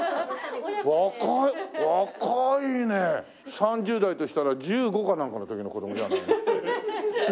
３０代としたら１５かなんかの時の子供じゃない？